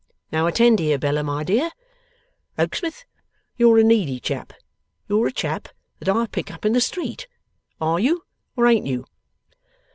(Now, attend here, Bella, my dear.) Rokesmith, you're a needy chap. You're a chap that I pick up in the street. Are you, or ain't you?